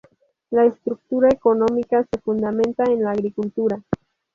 La estructura económica se fundamenta en la agricultura.